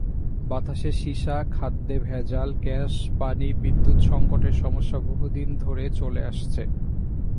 বাতাসে সিসা, খাদ্যে ভেজাল, গ্যাস-পানি, বিদ্যুৎ-সংকটের সমস্যা বহুদিন ধরে চলে আসছে।